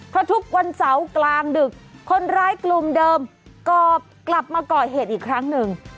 เพราะทุกวันเสาร์กลางดึกคนร้ายกลุ่มเดิมก็กลับมาก่อเหตุอีกครั้งหนึ่ง